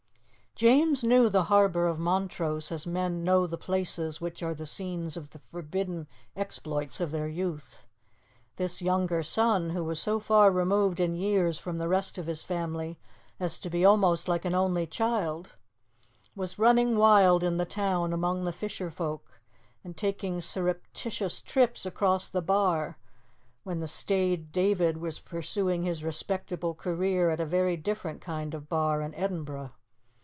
James knew the harbour of Montrose as men know the places which are the scenes of the forbidden exploits of their youth. This younger son, who was so far removed in years from the rest of his family as to be almost like an only child, was running wild in the town among the fisher folk, and taking surreptitious trips across the bar when the staid David was pursuing his respectable career at a very different kind of bar in Edinburgh.